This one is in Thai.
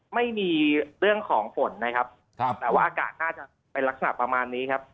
ไม่มีเรื่องของฝนนะครับครับแต่ว่าอากาศน่าจะเป็นลักษณะประมาณนี้ครับ